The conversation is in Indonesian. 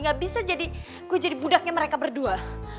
gak bisa jadi gue jadi budaknya mereka berdua